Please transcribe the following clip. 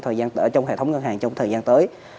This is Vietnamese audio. trong hệ thống ngân hàng trong thời gian tới